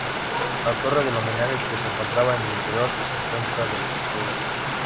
La torre del homenaje, que se encontraba en el interior, se encuentra derruida.